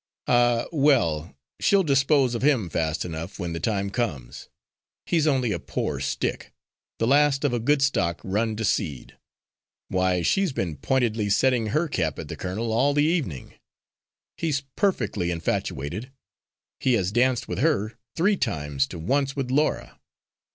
"Ah, well, she'll dispose of him fast enough when the time comes. He's only a poor stick, the last of a good stock run to seed. Why, she's been pointedly setting her cap at the colonel all the evening. He's perfectly infatuated; he has danced with her three times to once with Laura."